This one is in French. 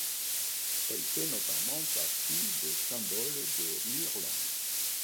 Elle fait notamment partie des symboles de l'Irlande.